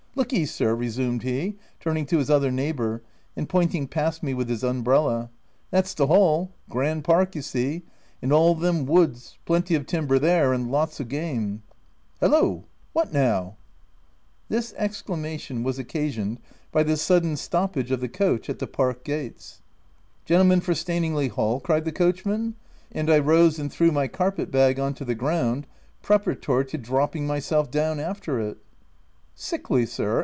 Look ye sir," resumed he, turning to his other neighbour, and pointing past me with his umbrella, M that's the hall — grand park, you see — and all them woods — plenty of timber there, and lots of game — hallo I what now ?" This exclamation was occasioned by the sud den stoppage of the coach at the park gates. 308 THE TENANT *■ Gentleman for Staningley Hall V cried the coachman ; and I rose and threw my carpet bag on to the ground, preparatory to dropping myself down after it. u Sickly, sir